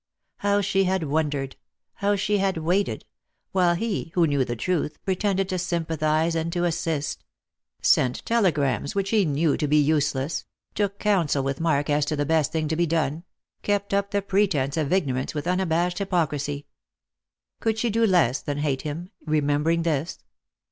How she had wondered — how she had waited — while he, who knew the truth, pretended to sympathise and to assist ; sent telegrams which he knew to be useless ; took counsel with Mark as to the best thing to be done ; kept up the pretence of ignorance with unabashed hypocrisy. Could she do less than hate him, remembering this?